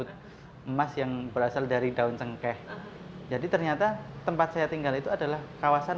terima kasih terima kasih